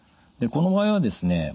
でこの場合はですね